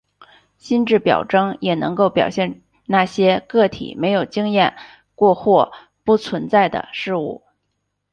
心智表征也能够表现那些个体没有经验过或不存在的事物。